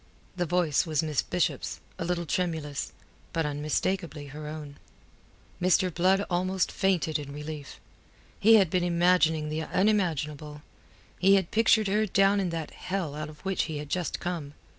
The voice was Miss Bishop's, a little tremulous, but unmistakably her own. Mr. Blood almost fainted in relief. He had been imagining the unimaginable. He had pictured her down in that hell out of which he had just come.